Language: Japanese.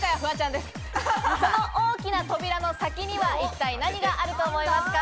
この大きな扉の先には一体何があると思いますか？